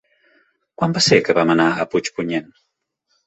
Quan va ser que vam anar a Puigpunyent?